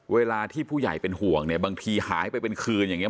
เวลาที่ผู้ใหญ่เป็นห่วงเนี่ยบางทีหายไปเป็นคืนอย่างนี้